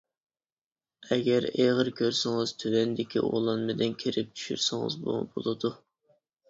ئەگەر ئېغىر كۆرسىڭىز تۆۋەندىكى ئۇلانمىدىن كىرىپ چۈشۈرسىڭىزمۇ بولىدۇ.